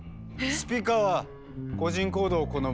スピカは個人行動を好む。